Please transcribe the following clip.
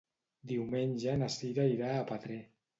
Diumenge na Cira irà a Petrer.